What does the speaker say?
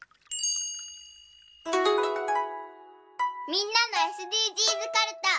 みんなのＳＤＧｓかるた。